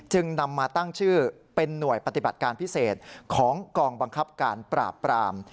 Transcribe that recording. นำมาตั้งชื่อเป็นหน่วยปฏิบัติการพิเศษของกองบังคับการปราบปราม